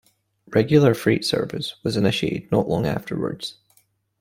Regular freight service was initiated not long afterwards.